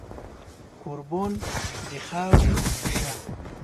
کوربون د خاورې شه